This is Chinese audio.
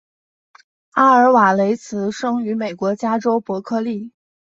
阿尔瓦雷茨生于美国加州伯克利。